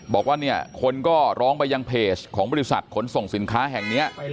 บอกว่าเนี่ยคนก็ร้องไปยังเพจของบริษัทขนส่งสินค้าแห่งนี้